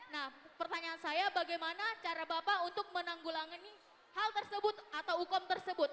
nah pertanyaan saya bagaimana cara bapak untuk menanggulangi hal tersebut atau hukum tersebut